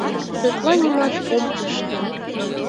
Тетла нимат ом ыште.